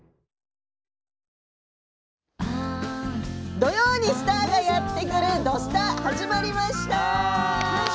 土曜にスターがやって来る「土スタ」始まりました。